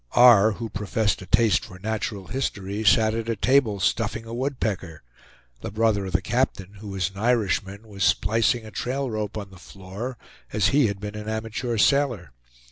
R., who professed a taste for natural history, sat at a table stuffing a woodpecker; the brother of the captain, who was an Irishman, was splicing a trail rope on the floor, as he had been an amateur sailor.